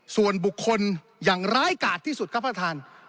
ส่วนบุคคลอย่างร้ายกาดที่สุดครับท่านประธาน